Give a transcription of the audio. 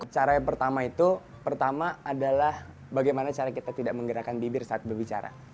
cara yang pertama itu pertama adalah bagaimana cara kita tidak menggerakkan bibir saat berbicara